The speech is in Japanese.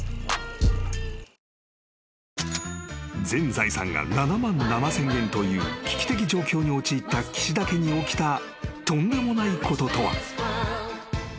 ［全財産が７万７，０００円という危機的状況に陥った岸田家に起きたとんでもないこととは］